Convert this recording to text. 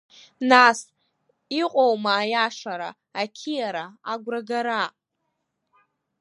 Нас, иҟоума аиашара, ақьиара агәрагара?